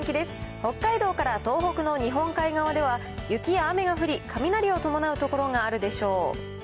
北海道から東北の日本海側では雪や雨が降り、雷を伴う所があるでしょう。